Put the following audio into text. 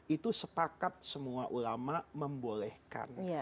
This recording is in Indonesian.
itu sepakat semua ulama membolehkan